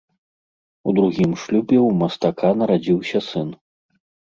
У другім шлюбе ў мастака нарадзіўся сын.